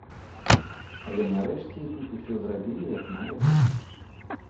Але нарэшце і тут усё зрабілі як мае быць.